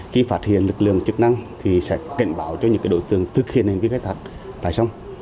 khi phát hiện lực lượng chức năng thì sẽ cảnh báo cho những đối tượng thực hiện hành vi khai thác tại sông